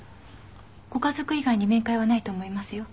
ご家族以外に面会はないと思いますよ。